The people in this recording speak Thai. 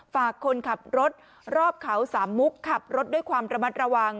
ฝากคนขับรถรอบเขาสามมุกขับรถด้วยความระมัดระวัง